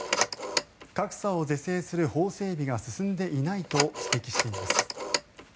格差を是正する法整備が進んでいないと指摘しています。